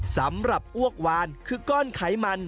สำหรับอ้วกวานคือก้อนไขมัน